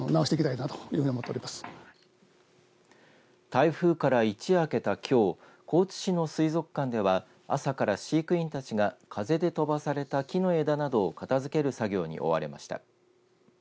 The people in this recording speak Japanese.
台風から一夜明けたきょう高知市の水族館では朝から飼育員たちが風で飛ばされた木の枝などを片づける作業に追われました。